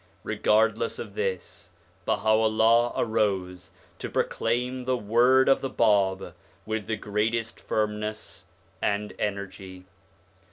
Regardless of this, Baha'u'llah arose to proclaim the word of the Bab with the greatest firmness and energy.